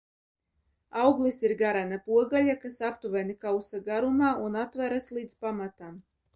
Auglis ir garena pogaļa, kas aptuveni kausa garumā un atveras līdz pamatam.